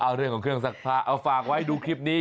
เอาเรื่องของเครื่องซักผ้าเอาฝากไว้ดูคลิปนี้